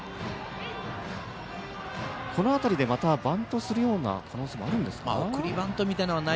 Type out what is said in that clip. この辺りでバントするような可能性はあるんですか？